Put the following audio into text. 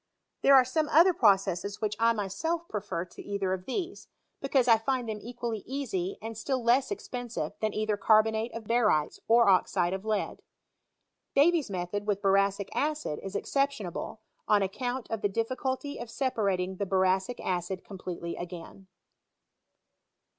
There are some other processes which I mpelf prefer to either of these, because I find them equally easy, and still less expensive than either carbonate of ba rytes or oxide of lead. Davy's method with boracic acid is exceptionable, on account of the difficulty of sepai ating the boracic acid completely t^in.